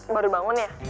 baru bangun ya